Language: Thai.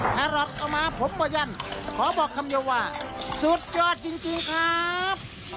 ถ้ารอทเอามาผมบ่ยั่นขอบอกคำเดียวว่าสุดยอดจริงครับ